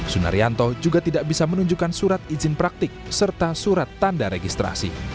sunaryanto juga tidak bisa menunjukkan surat izin praktik serta surat tanda registrasi